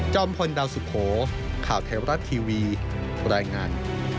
พลดาวสุโขข่าวไทยรัฐทีวีรายงาน